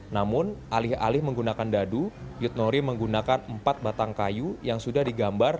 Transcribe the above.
namun alih alih menggunakan dadu yutnori menggunakan empat batang kayu yang sudah digambar